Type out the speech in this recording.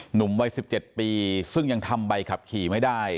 หนุ่มวัย๑๗ปีซึ่งยังทำใบขับขี่ไม่ได้